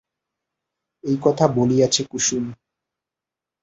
এই কথা বলিয়াছে কুসুম।